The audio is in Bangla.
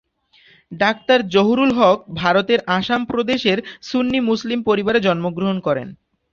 ডাক্তার জহুরুল হক ভারতের আসাম প্রদেশের সুন্নি মুসলিম পরিবারে জন্মগ্রহণ করেন।